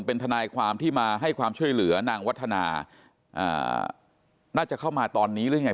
เป็นทนายความที่มาให้ความช่วยเหลือนางวัฒนาน่าจะเข้ามาตอนนี้หรือยังไง